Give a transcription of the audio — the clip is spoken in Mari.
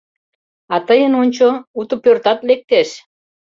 А тыйын, ончо, уто пӧртат лектеш.